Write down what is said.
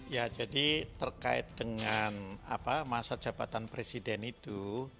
ya jadi terkait dengan masa jabatan presiden itu